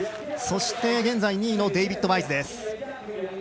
そして、現在２位のデイビッド・ワイズです。